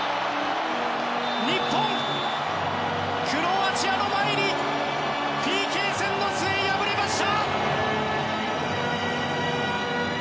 日本、クロアチアの前にＰＫ戦の末、敗れました。